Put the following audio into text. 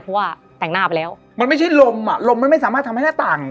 เพราะว่าแต่งหน้าไปแล้วมันไม่ใช่ลมอ่ะลมมันไม่สามารถทำให้หน้าต่าง